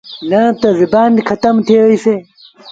نا تا زبآن کتم ٿئي وهيسي۔